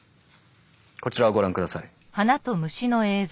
こちらをご覧下さい。